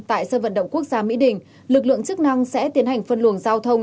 tại sân vận động quốc gia mỹ đình lực lượng chức năng sẽ tiến hành phân luồng giao thông